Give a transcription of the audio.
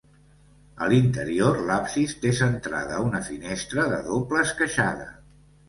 A l'interior, l'absis té centrada una finestra de doble esqueixada.